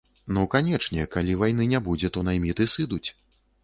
Ну канечне, калі вайны не будзе, то найміты сыдуць.